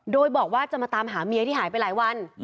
โดยบอกว่าจะมาตามหาเมียที่หายไปหลายวัน